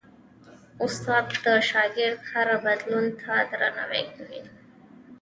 استاد د شاګرد هر بدلون ته درناوی کوي.